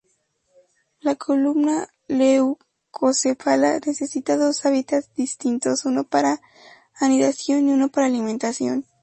La Columba leucocephala necesita dos hábitats distintos, uno para anidación y uno para alimentación.